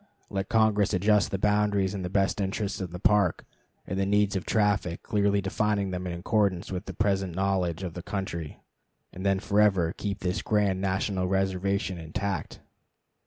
Let Congress adjust the boundaries in the best interests of the Park and the needs of traffic, clearly defining them in accordance with the present knowledge of the country, and then forever keep this grand national reservation intact.